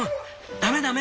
ダメダメ！